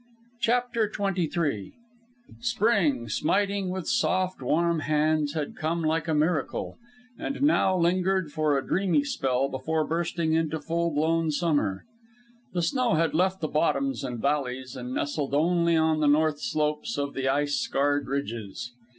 CHAPTER XXIII Spring, smiting with soft, warm hands, had come like a miracle, and now lingered for a dreamy spell before bursting into full blown summer. The snow had left the bottoms and valleys and nestled only on the north slopes of the ice scarred ridges.